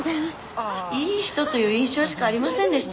いい人という印象しかありませんでした。